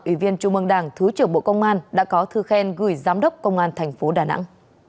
ủy viên trung mương đảng thứ trưởng bộ công an đã có thư khen gửi giám đốc công an thành phố đà nẵng